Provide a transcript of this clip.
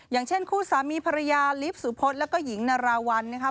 อย่างเช่นคู่สามีภรรยาลิฟต์สุพธแล้วก็หญิงนาราวัลนะคะ